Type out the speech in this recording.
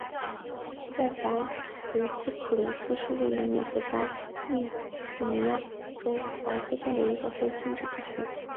霍华德斯普林斯是位于美国加利福尼亚州莱克县的一个非建制地区。